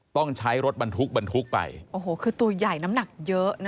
ต้องใช้รถบรรทุกบรรทุกไปโอ้โหคือตัวใหญ่น้ำหนักเยอะนะ